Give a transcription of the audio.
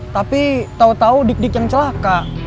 tapi tau tau dik dik yang celaka